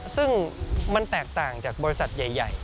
ซึ่งมันแตกต่างจากบริษัทใหญ่